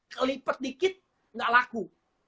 kelipet dikit nggak laku